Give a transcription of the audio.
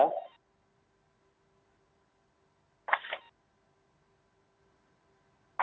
komponen cadangan dikerahkan